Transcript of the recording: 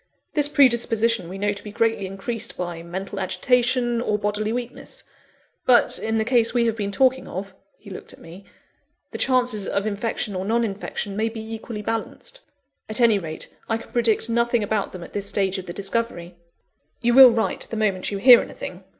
This predisposition we know to be greatly increased by mental agitation, or bodily weakness; but, in the case we have been talking of," (he looked at me,) "the chances of infection or non infection may be equally balanced. At any rate, I can predict nothing about them at this stage of the discovery." "You will write the moment you hear anything?"